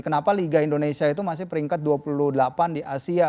kenapa liga indonesia itu masih peringkat dua puluh delapan di asia